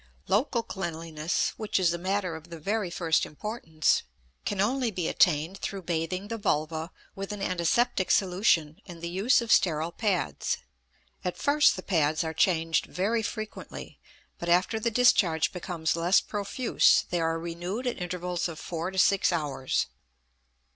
Local cleanliness, which is a matter of the very first importance, can only be attained through bathing the vulva with an antiseptic solution and the use of sterile pads. At first the pads are changed very frequently, but after the discharge becomes less profuse they are renewed at intervals of four to six hours.